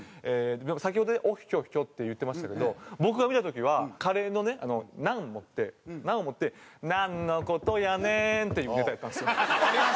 先ほどねオッヒョッヒョって言ってましたけど僕が見た時はカレーのねナンを持ってナンを持って「ナンの事やねん」っていうネタやったんですよ。